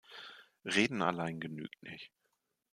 Reden allein genügt nicht.